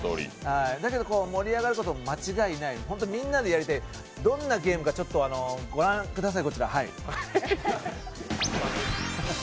だけど、盛り上がること間違いないほんとみんなでやりたい、どんなゲームかこちらご覧ください。